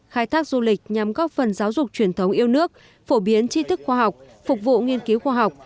khai thác du lịch nhằm góp phần giáo dục truyền thống yêu nước phổ biến chi thức khoa học phục vụ nghiên cứu khoa học